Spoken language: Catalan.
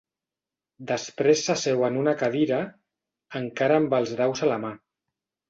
Després s'asseu en una cadira, encara amb els daus a la mà.